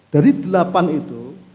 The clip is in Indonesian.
dari delapan itu